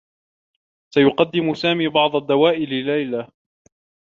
سيقدّم سامي بعض الدّواء لليلى.